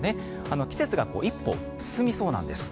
季節が一歩進みそうなんです。